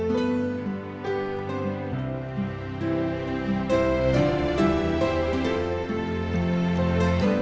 ya kita ke sekolah